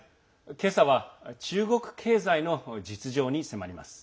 今朝は中国経済の実情に迫ります。